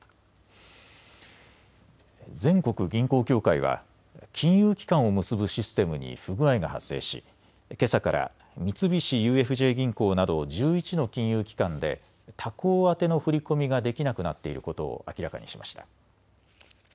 全国銀行協会は金融機関を結ぶシステムに不具合が発生しけさから三菱ＵＦＪ銀行など１１の金融機関で他行宛ての振り込みができなくなっていることを明らかにしました。